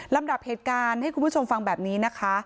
ลำดับเหตุการณ์ให้คุณผู้ชมฟังแบบนี้นะคะ